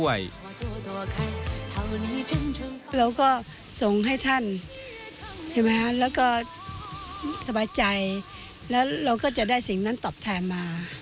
เราก็ส่งให้ท่านแล้วก็สบายใจแล้วเราก็จะได้สิ่งนั้นตอบแทนมา